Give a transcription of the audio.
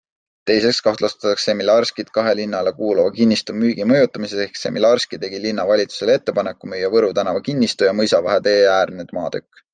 Teiseks kahtlustatakse Semilarskit kahe linnale kuuluva kinnistu müügi mõjutamises ehk Semilarski tegi linnavalitsuses ettepaneku müüa Võru tänava kinnistu ja Mõisavahe tee äärne maatükk.